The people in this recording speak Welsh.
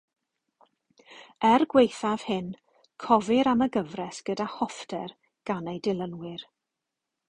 Er gwaethaf hyn, cofir am y gyfres gyda hoffter gan ei dilynwyr.